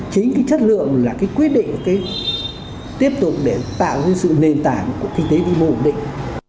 chính cái chất lượng là cái quyết định tiếp tục để tạo ra sự nền tảng của kinh tế đi bộ ổn định